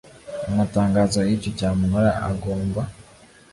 Amatangazo y icyo cyamunara agomba